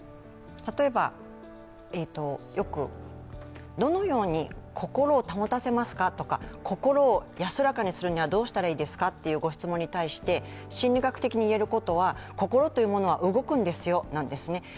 例えばどのように心を保たせますかとか、心を安らかにするにはどうしたらいいですかというご質問に対して、心理学的に言えることは心というものは動くんですよ、なんですね。